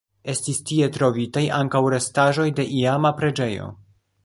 Estis tie trovitaj ankaŭ restaĵoj de iama preĝejo.